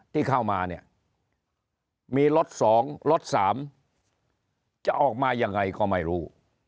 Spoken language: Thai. ที่เข้ามาเนี่ยมีรถ๒รถ๓จะออกมายังไงก็ไม่รู้